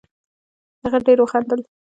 هغه ډېر وخندل